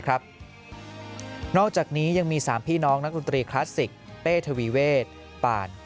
นอกจากนี้ยังมี๓พี่น้องนักดนตรีคลาสสิกเป้ทวีเวทปาน